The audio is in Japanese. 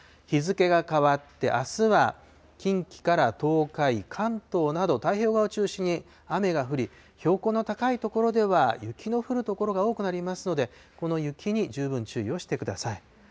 日付が変わって、あすは近畿から東海、関東など太平洋側を中心に雨が降り、標高の高い所では雪の降る所が多くなりますので、この雪に十分注意をしてください。